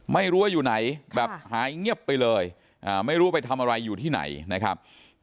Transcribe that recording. ไม่รู้ว่าอยู่ไหนแบบหายเงียบไปเลยไม่รู้ไปทำอะไรอยู่ที่ไหนนะครับ